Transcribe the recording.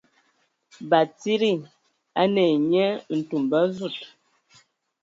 Batsidi a ne ai nye ntumba a zud.